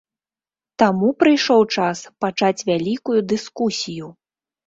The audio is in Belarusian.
Таму прыйшоў час пачаць вялікую дыскусію!